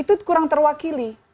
itu kurang terwakili